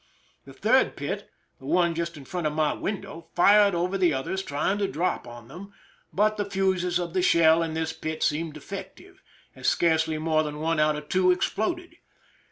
The third pit, the one just in front of my window, fired over the others, trying to drop on them ; but the fuses of the shell in this pit seemed defective, as scarcely more than one out of two exploded.